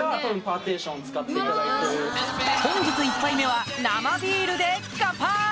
本日１杯目は生ビールでカンパイ！